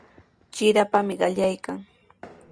Trirapami qallaykan.